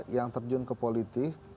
yang terjun ke politik